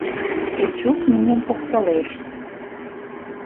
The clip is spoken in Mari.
Эчук нуным поктылеш.